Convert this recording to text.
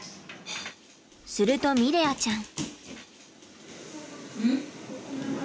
するとミレアちゃん。